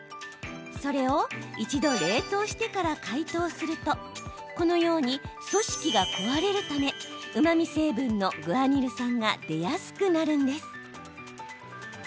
それを一度、冷凍してから解凍するとこのように組織が壊れるためうまみ成分のグアニル酸が出やすくなるんです。